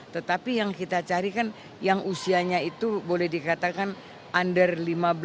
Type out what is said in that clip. tetapi yang kita carikan yang usianya itu boleh dikatakan under lima belas sampai under delapan belas